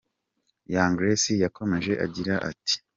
Young Grace yakomeje agira ati:.